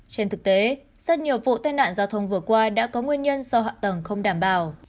trên thực tế rất nhiều vụ tai nạn giao thông vừa qua đã có nguyên nhân do hạ tầng không đảm bảo